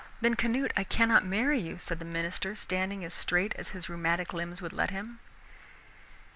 "Then, Canute, I cannot marry you," said the minister, standing as straight as his rheumatic limbs would let him.